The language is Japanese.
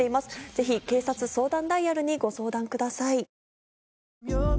ぜひ警察相談ダイヤルにご相談ください。